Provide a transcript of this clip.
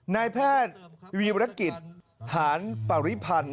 นายแพทย์วีรกิจหารปริพันธ์